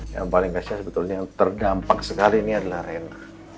yang paling besar sebetulnya yang terdampak sekali ini adalah rena